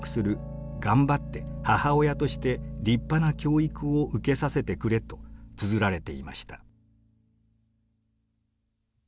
頑張って母親として立派な教育を受けさせてくれ」とつづられていました。